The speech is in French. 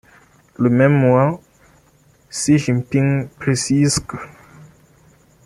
Le même mois, Xi Jinping précise qu'.